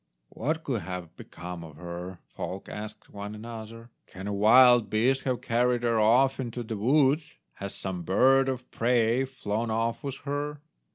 "What could have become of her?" folk asked one another; "can a wild beast have carried her off into the woods? Has some bird of prey flown off with her?"